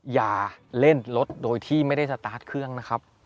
อย่าเล่นรถโดยที่ไม่ได้สตาร์ทเครื่องนะครับ